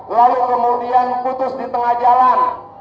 lalu kemudian putus di tengah jalan